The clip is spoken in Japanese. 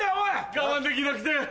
我慢できなくて。